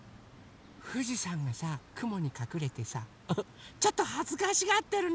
ふじさんがさくもにかくれてさちょっとはずかしがってるね。